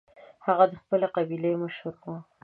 هغه د خپلې قبیلې مشر و.